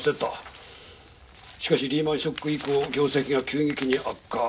しかしリーマンショック以降業績が急激に悪化。